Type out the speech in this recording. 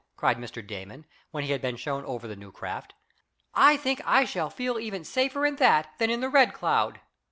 cried Mr. Damon, when he had been shown over the new craft. "I think I shall feel even safer in that than in the Red Cloud."